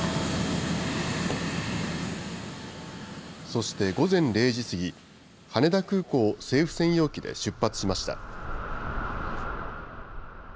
そして午前０時過ぎ、羽田空港を政府専用機で出発しました。